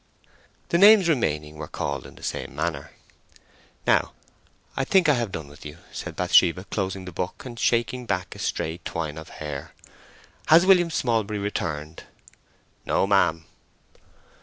The names remaining were called in the same manner. "Now I think I have done with you," said Bathsheba, closing the book and shaking back a stray twine of hair. "Has William Smallbury returned?" "No, ma'am."